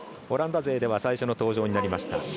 オランダ勢では最初の登場になりました。